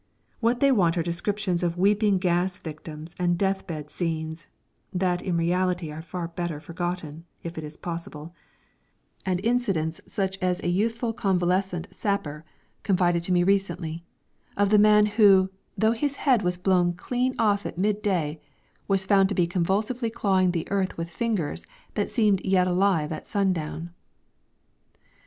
What they want are descriptions of weeping gas victims and death bed scenes (that in reality are far better forgotten if it is possible) and incidents such as a youthful convalescent sapper confided to me recently of the man who, though his head was blown clean off at midday, was found to be convulsively clawing the earth with fingers that seemed yet alive at sundown!